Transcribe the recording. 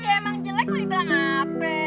ya emang jelek mau dibilang apa